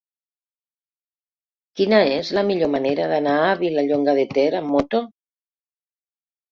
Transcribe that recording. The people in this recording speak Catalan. Quina és la millor manera d'anar a Vilallonga de Ter amb moto?